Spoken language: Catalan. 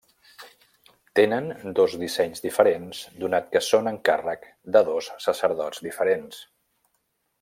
Tenen dos dissenys diferents donat que són encàrrec de dos sacerdots diferents.